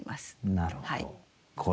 なるほど。